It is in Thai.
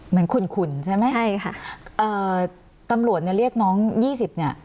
ขุ่นขุ่นใช่ไหมใช่ค่ะเอ่อตำรวจเนี่ยเรียกน้องยี่สิบเนี่ย